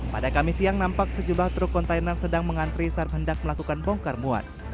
pada kamis siang nampak sejumlah truk kontainer sedang mengantri saat hendak melakukan bongkar muat